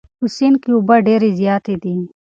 په سیند کې اوبه ډېرې زیاتې دي.